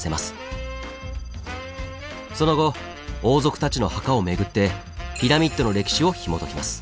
その後王族たちの墓を巡ってピラミッドの歴史をひもときます。